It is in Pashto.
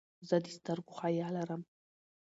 زه د سترګو حیا لرم.